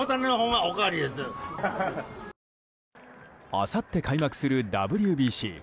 あさって開幕するＷＢＣ。